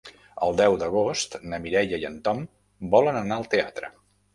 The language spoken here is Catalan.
El deu d'agost na Mireia i en Tom volen anar al teatre.